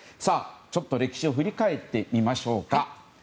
歴史を振り返ってみましょうか。